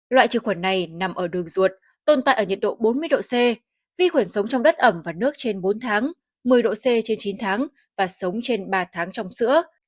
loại trừ khuẩn này nằm ở đường ruột tồn tại ở nhiệt độ bốn mươi độ c vi khuẩn sống trong đất ẩm và nước trên bốn tháng một mươi độ c trên chín tháng và sống trên ba tháng trong sữa